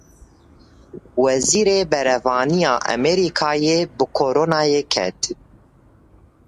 Wezîrê Berevaniya Amerîkayê bi Koronayê ket.